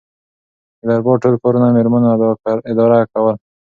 د دربار ټول کارونه میرمنو اداره کول.